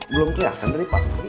belum kelihatan dari pakti